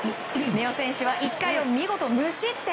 根尾選手は１回を見事無失点。